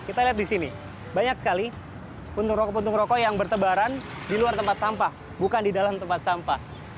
kita lihat di sini banyak sekali puntung rokok puntung rokok yang bertebaran di luar tempat sampah bukan di dalam tempat sampah